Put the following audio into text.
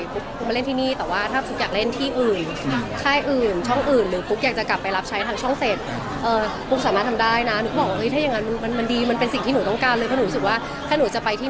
ปุ๊กมาเล่นที่นี่แต่ว่าถ้าปุ๊กอยากเล่นที่อื่น